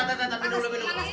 tep tep tidur dulu